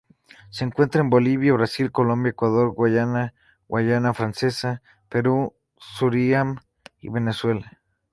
Se encuentra en Bolivia, Brasil, Colombia, Ecuador, Guyana, Guayana francesa, Perú, Surinam y Venezuela.